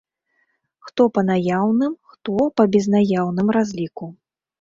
Хто па наяўным, хто па безнаяўным разліку.